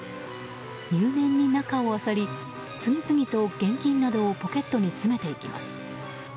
入念に中をあさり次々と現金などをポケットに詰めていきます。